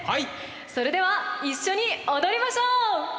それでは一緒に踊りましょう！